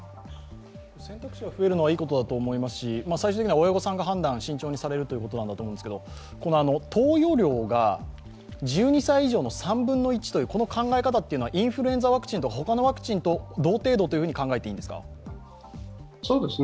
選択肢が増えるのはいいことだと思いますし、最終的には親御さんが判断、慎重にされるということだと思いますが投与量が１２歳以上の３分の１という考え方はインフルエンザワクチンや他のワクチンと同程度というふうに考えていいんですか？